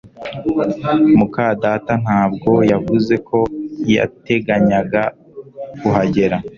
muka data ntabwo yavuze uko yateganyaga kuhagera